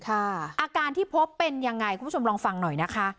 อาการที่พบเป็นยังไงคุณผู้ชมลองฟังหน่อยนะคะ